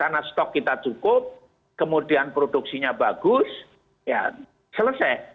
karena stok kita cukup kemudian produksinya bagus ya selesai